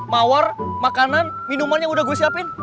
mawar makanan minuman yang udah gue siapin